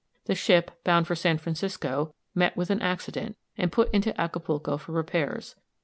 The ship, bound for San Francisco, met with an accident, and put into Acapulco for repairs.